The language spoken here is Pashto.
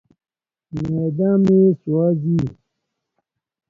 معده مې سوځي.